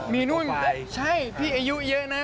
มีโปรไฟล์ใช่พี่อายุเยอะนะ